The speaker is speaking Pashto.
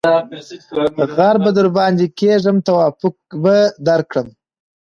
ـ غر به درباندې کېږم توافق به درکړم.